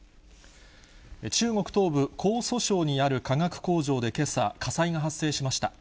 中国東部、江蘇省にある化学工場でけさ、火災が発生しました。